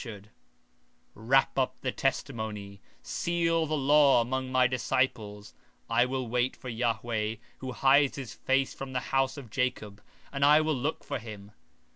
18:16 Bind up the testimony, seal the law among my disciples. 18:17 And I will wait upon the Lord, that hideth his face from the house of Jacob, and I will look for him.